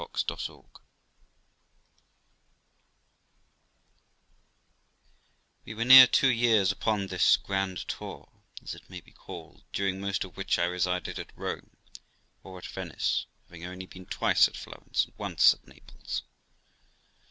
We were near two years upon this grand tour, as it may be called, during most of which I resided at Rome, or at Venice, having only been twice at Florence and once at Naples.